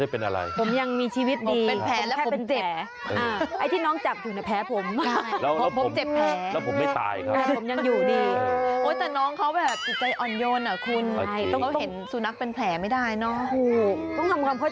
เป็นอะไรลูกไม่เอาไม่เอา